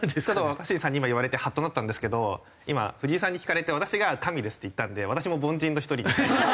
若新さんに今言われてハッとなったんですけど今藤井さんに聞かれて私が「神です」って言ったんで私も凡人の一人になりました。